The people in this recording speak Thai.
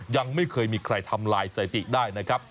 ยังไม่เคยมีใครทำลายสถิติได้นะครับ